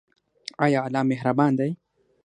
ایا الله مهربان دی؟